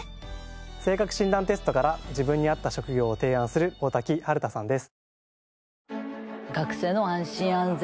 性格診断テストから自分に合った職業を提案する大瀧晴太さんです。